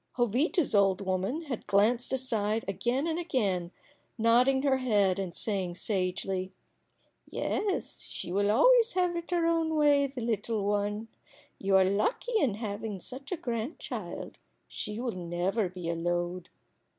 Jovita's old woman had glanced aside again and again, nodding her head, and saying, sagely: "Yes, she will always have it her own way the little one. You are lucky in having such a grandchild. She will never be a load."